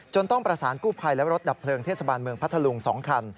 ต้องประสานกู้ภัยและรถดับเพลิงเทศบาลเมืองพัทธลุง๒คัน